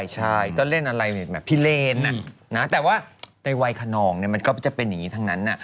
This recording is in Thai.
ใช่ก็เล่นอะไรแบบพิเลนแต่ว่าในวัยขนองมันก็จะเป็นอย่างนี้ทั้งนั้น